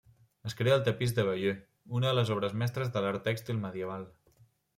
Es crea el Tapís de Bayeux, una de les obres mestres de l'art tèxtil medieval.